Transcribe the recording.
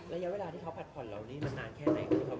ระยะเวลาที่เค้าผลัดผ่อนเหล่านี้มันนานแค่ไหน